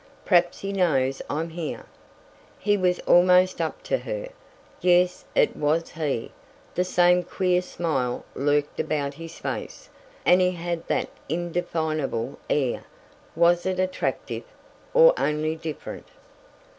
"Perhaps he knows I'm here " He was almost up to her. Yes, it was he the same queer smile lurked about his face, and he had that indefinable air was it attractive, or only different?